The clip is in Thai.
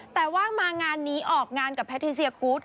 แต่ว่ามางานนี้ออกงานกับแพทิเซียกูธ